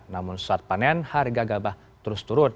namun saat panen harga gabah terus turun